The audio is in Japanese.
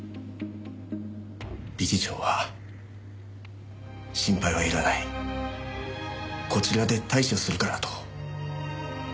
理事長は心配は要らないこちらで対処するからと。